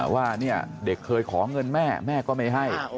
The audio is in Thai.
ว่าเนี่ยเด็กเคยขอเงินแม่แม่ก็ไม่ให้